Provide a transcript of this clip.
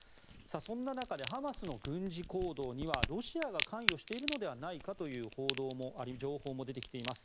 そんな中でハマスの軍事行動にはロシアが関与しているのではという情報も出てきています。